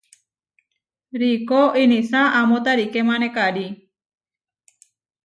Riikó inísa amó tarikémane karí.